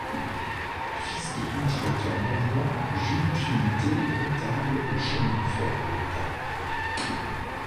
Fils de cultivateurs normands, Jules Trinité est comptable aux Chemins de fer de l'État.